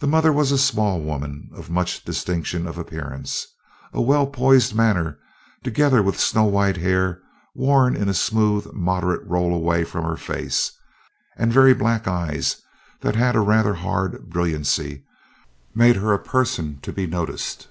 The mother was a small woman of much distinction of appearance. A well poised manner, together with snow white hair worn in a smooth moderate roll away from her face, and very black eyes that had a rather hard brilliancy, made her a person to be noticed.